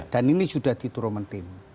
dan ini sudah diturunkan tim